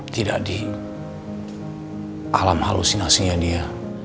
tidak di alam halusinasinya dia